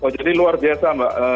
jadi luar biasa mbak